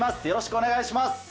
よろしくお願いします。